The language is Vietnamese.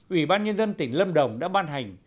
ủy ban nhân dân tỉnh lâm đồng đã ban hành